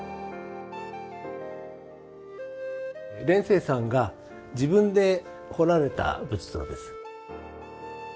蓮生さんが自分で彫られた仏像です。